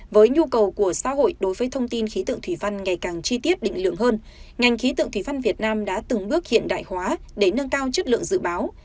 với nhu cầu của xã hội đối với thông tin khí tượng thủy văn ngày càng chi tiết định lượng hơn ngành khí tượng thủy văn việt nam đã từng bước hiện đại hóa để nâng cao chất lượng dự báo